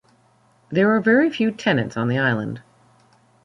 There are very few tenants on the island.